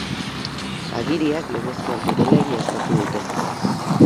Agiriak legezkoak direla egiaztatu dute.